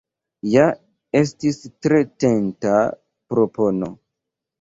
Ja estis tre tenta propono!